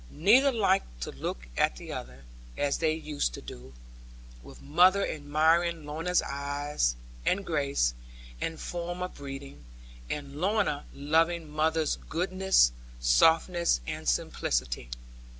Neither liked to look at the other, as they used to do; with mother admiring Lorna's eyes, and grace, and form of breeding; and Lorna loving mother's goodness, softness, and simplicity.